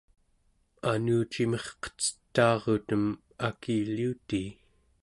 anucimirqecetaarutem akiliutii